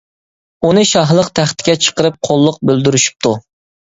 ئۇنى شاھلىق تەختىگە چىقىرىپ قۇللۇق بىلدۈرۈشۈپتۇ.